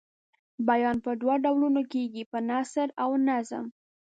بیان په دوو ډولونو کیږي په نثر او په نظم.